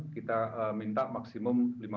jadi setiap kegiatan yang diperlukan kita lakukan